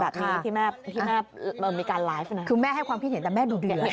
แบบนี้ที่แม่ที่แม่มีการไลฟ์คือแม่ให้ความคิดเห็นแต่แม่ดูเดือดเลย